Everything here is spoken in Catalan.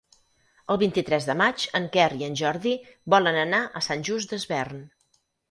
El vint-i-tres de maig en Quer i en Jordi volen anar a Sant Just Desvern.